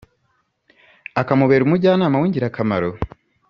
akamubera umujyanama w’ingirakamaro ?